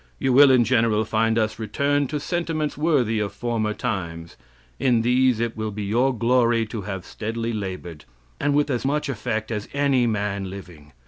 You will, in general, find us returned to sentiments worthy of former times; in these it will be your glory to have steadily labored, and with as much effect as any man living.